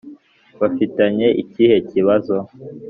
bafitanye ikihe kibazo?